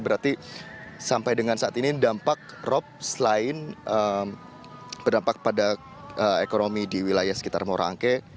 berarti sampai dengan saat ini dampak rop selain berdampak pada ekonomi di wilayah sekitar morangke